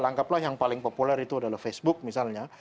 tangkaplah yang paling populer itu adalah facebook misalnya